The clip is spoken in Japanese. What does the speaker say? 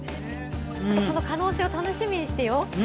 この可能性を楽しみにしてよう！